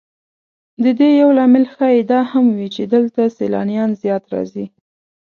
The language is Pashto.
د دې یو لامل ښایي دا هم وي چې دلته سیلانیان زیات راځي.